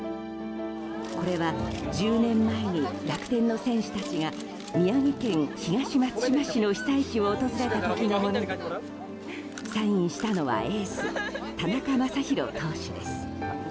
これは、１０年前に楽天の選手たちが宮城県東松島市の被災地を訪れた時のものでサインしたのはエース田中将大投手です。